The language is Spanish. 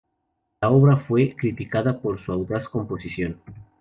La obra fue criticada por su audaz composición.